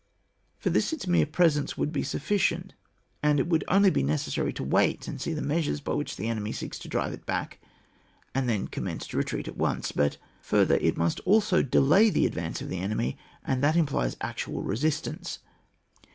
For this its mere presence would be sufficient, and it would only be necessary to wait and see the measures by which the enemy seeks to drive it back, and then commence its retreat at once. But further, it must also delay the ad vance of the enemy, and that implies actual resistance.